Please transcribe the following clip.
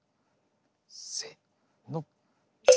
せの。